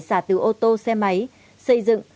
xả từ ô tô xe máy xây dựng